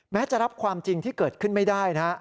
แม้จะรับความจริงที่เกิดขึ้นไม่ได้นะฮะ